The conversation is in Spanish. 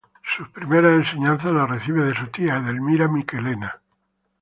Sus primeras enseñanzas las recibe de su tía, Edelmira Michelena.